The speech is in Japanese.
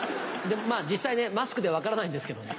実際ねマスクで分からないんですけどね。